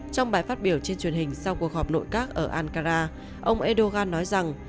trong bài phát biểu trên truyền hình sau cuộc họp nội các ở ankara ông erdogan nói rằng